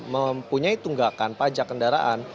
mempunyai tunggakan pajak kendaraan